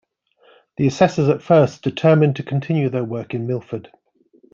The assessors at first determined to continue their work in Milford.